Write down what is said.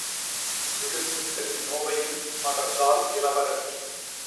விழுப்புண்களின் நோவையும் மறந்தாள் இளவரசி.